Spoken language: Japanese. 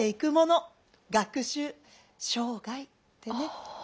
『学習生涯』てね。